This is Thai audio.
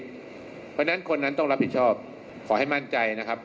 เพราะฉะนั้นคนนั้นต้องรับผิดชอบขอให้มั่นใจนะครับ